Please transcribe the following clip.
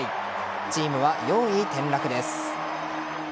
チームは４位転落です。